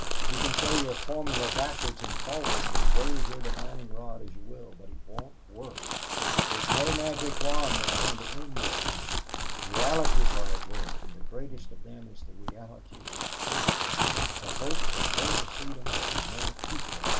You can say your formulæ backward and forward and wave your divining rod as you will, but it won't work. There is no magic wand that is going to end this thing. Realities are at work, and the greatest of them is the reality of hope the hope for greater freedom to more people.